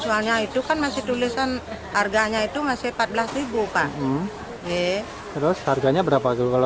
soalnya itu kan masih tulisan harganya itu masih rp empat belas pak terus harganya berapa kalau